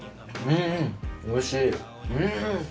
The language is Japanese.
おいしい。